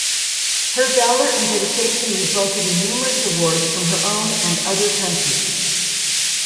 Her valor and dedication resulted in numerous awards from her own and other countries.